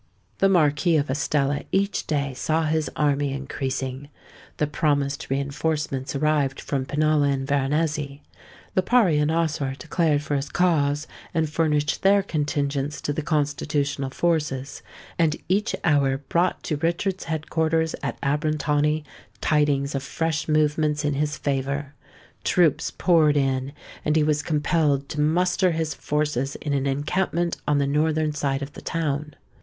The Marquis of Estella each day saw his army increasing. The promised reinforcements arrived from Pinalla and Veronezzi: Lipari and Ossore declared for his cause, and furnished their contingents to the Constitutional forces; and each hour brought to Richard's head quarters at Abrantani tidings of fresh movements in his favour. Troops poured in; and he was compelled to muster his forces in an encampment on the northern side of the town.